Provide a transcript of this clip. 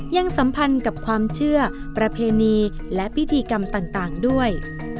สัมพันธ์กับความเชื่อประเพณีและพิธีกรรมต่างด้วย